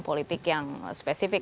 politik yang spesifik